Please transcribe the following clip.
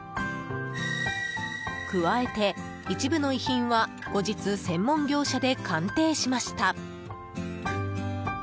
加えて、一部の遺品は後日、専門業者で鑑定しました。